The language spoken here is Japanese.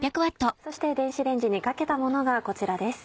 そして電子レンジにかけたものがこちらです。